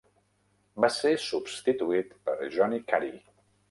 Va ser substituït per Johnny Carey.